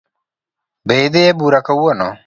Be idhi ebura kawuono?